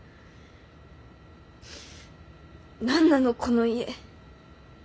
何なのこの家。